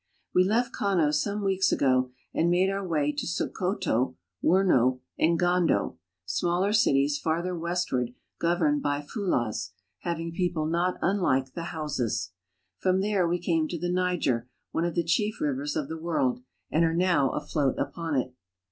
We left Kano some weeks ago and made our way to Sokoto, Wurno, and Gando (gan'do), smaller cities farther westward governed by Fulahs, having .people not unlike the Hau.sas. From there we came to the ||4iger, one of the chief rivers of the world, and are now £oat upon it.